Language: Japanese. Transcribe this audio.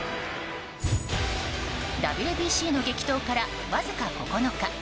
ＷＢＣの激闘から、わずか９日。